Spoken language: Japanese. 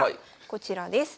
こちらです。